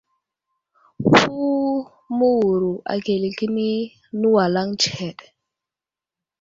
Ku məwuro akəle kəni nəwalaŋ tsəhed.